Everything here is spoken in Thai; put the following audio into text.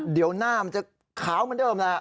เดี๋ยวหน้ามันจะขาวเหมือนเดิมแหละ